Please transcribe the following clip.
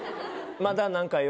まだ何か用？